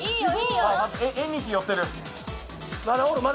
縁日寄ってる。